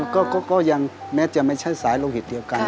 ก็ยังแม้จะไม่ใช่สายโลหิตเดียวกัน